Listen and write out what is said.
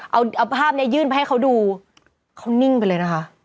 เอาภาพนี้ยื่นไปให้เขาดูเขานิ่งไปเลยนะคะ